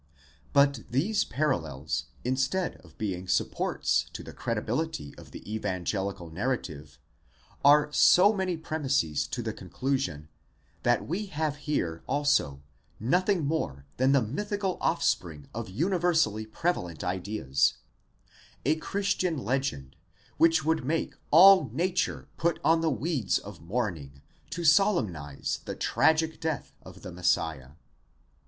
® But these parallels, instead of being supports to the credibility of the evangelical narrative, are so many premises to the con clusion, that we have here also nothing more than the mythical offspring of uni versally prevalent ideas,—a Christian legend, which would make all nature put on the weeds of mourning to solemnize the tragic death of the Messiah.!?